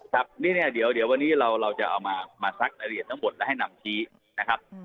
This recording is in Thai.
ครับนี่เนี่ยเดี๋ยววันนี้เราจะเอามาซักรายละเอียดทั้งหมดและให้นำชี้นะครับ